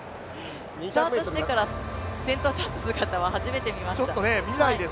スタートしてから先頭に立つ姿は初めて見ました。